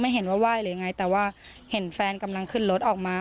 เห็นว่าไหว้หรือยังไงแต่ว่าเห็นแฟนกำลังขึ้นรถออกมา